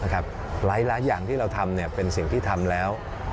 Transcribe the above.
หลายอย่างที่เราทำเป็นสิ่งที่ทำแล้ว